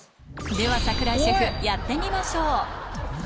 では櫻井シェフやってみましょう何？